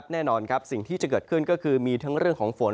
แน่นอนครับสิ่งที่จะเกิดขึ้นก็คือมีทั้งเรื่องของฝน